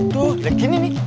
tuh udah gini nih